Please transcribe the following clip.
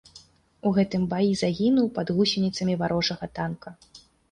У гэтым баі загінуў пад гусеніцамі варожага танка.